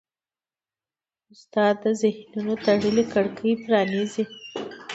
استاد د ذهنونو تړلې کړکۍ پرانیزي.